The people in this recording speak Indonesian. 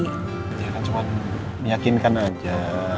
ya kan cuma meyakinkan aja